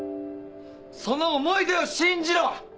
その思い出を信じろ！